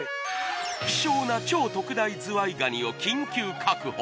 希少な超特大ズワイガニを緊急確保